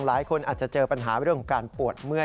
หลายคนอาจจะเจอปัญหาเรื่องของการปวดเมื่อย